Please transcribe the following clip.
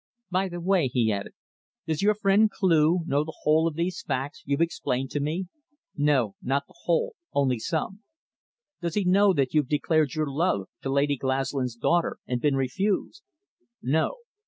By the way," he added, "does your friend Cleugh know the whole of these facts you've explained to me?" "No, not the whole only some." "Does he know that you've declared your love to Lady Glaslyn's daughter and been refused?" "No."